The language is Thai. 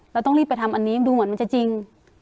เราต้องรีบไปทำอันนี้ดูเหมือนมันจะจริง